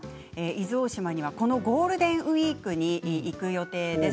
伊豆大島にはゴールデンウイークに行く予定です。